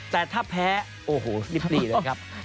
แต่ถ้าแพ้โอ้โหนี่เลยครับ